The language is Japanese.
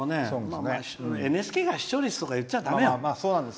ＮＨＫが視聴率とか言っちゃだめよ。